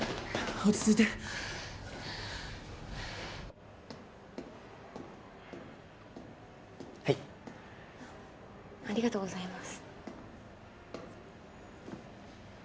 落ち着いてはいありがとうございます